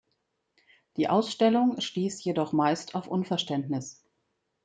Die Ausstellung stiess jedoch meist auf Unverständnis.